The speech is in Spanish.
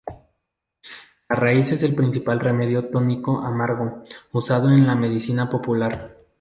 La raíz es el principal remedio "tónico amargo" usado en la medicina popular.